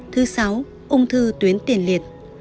thứ sáu ung thư tuyến tiền liệt